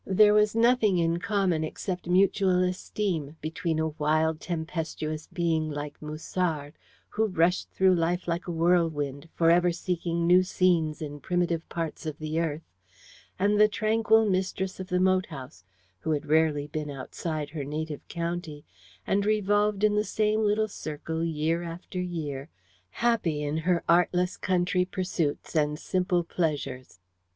There was nothing in common except mutual esteem between a wild, tempestuous being like Musard, who rushed through life like a whirlwind, for ever seeking new scenes in primitive parts of the earth, and the tranquil mistress of the moat house, who had rarely been outside her native county, and revolved in the same little circle year after year, happy in her artless country pursuits and simple pleasures.